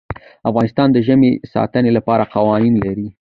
افغانستان د ژبې د ساتنې لپاره قوانین لري.